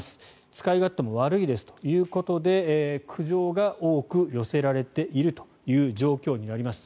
使い勝手も悪いですということで苦情が多く寄せられているという状況になります。